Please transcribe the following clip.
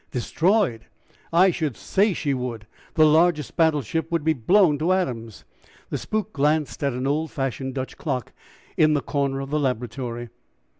"Destroyed? I should say she would; the largest battleship would be blown to atoms." The spook glanced at an old fashioned Dutch clock in the corner of the laboratory.